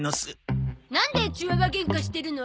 なんでチワワゲンカしてるの？